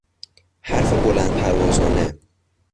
حرف بلند پروازانه